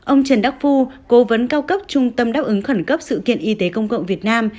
ông trần đắc phu cố vấn cao cấp trung tâm đáp ứng khẩn cấp sự kiện y tế công cộng việt nam